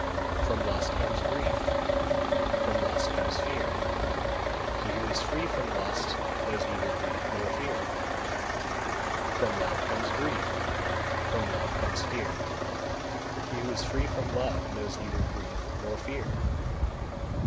214. From lust comes grief, from lust comes fear; he who is free from lust knows neither grief nor fear. 215. From love comes grief, from love comes fear; he who is free from love knows neither grief nor fear.